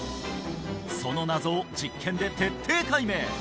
その謎を実験で徹底解明！